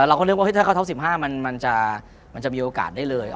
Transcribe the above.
เราก็นึกว่าถ้าเข้าท็อป๑๕มันจะมีโอกาสได้เลย